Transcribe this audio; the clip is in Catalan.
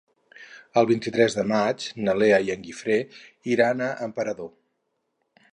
El vint-i-tres de maig na Lea i en Guifré iran a Emperador.